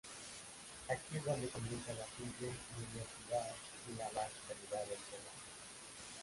Aquí es donde comienza la simple mediocridad y la baja calidad del programa.